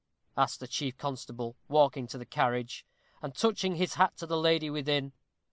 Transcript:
asked the chief constable, walking to the carriage, and touching his hat to the lady within.